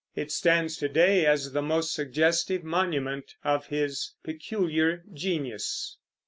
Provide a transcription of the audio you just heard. It stands to day as the most suggestive monument of his peculiar genius.